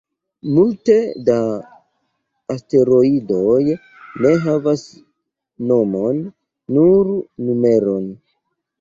Multe da asteroidoj ne havas nomon, nur numeron.